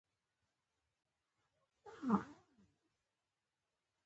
دوی ټول په یوه خونه کې اوسېدل.